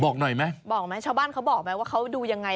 บอกหน่อยไหมบอกไหมชาวบ้านเขาบอกไหมว่าเขาดูยังไง